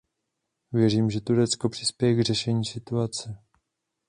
Věřím, že Turecko přispěje k řešení situace.